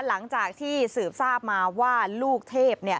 หลังจากที่สืบทราบมาว่าลูกเทพ